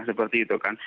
seperti itu kan